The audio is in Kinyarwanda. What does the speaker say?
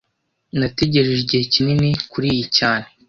Nategereje igihe kinini kuriyi cyane